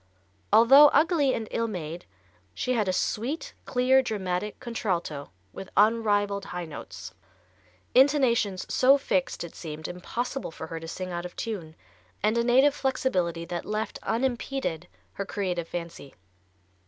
Although ugly and ill made, she had a sweet, clear dramatic contralto with unrivalled high notes, intonations so fixed it seemed impossible for her to sing out of tune, and a native flexibility that left unimpeded her creative fancy.